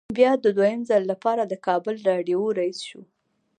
بیا د دویم ځل لپاره د کابل راډیو رییس شو.